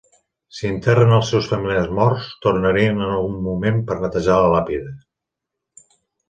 Si enterren els seus familiars morts, tornarien en algun moment per netejar la làpida.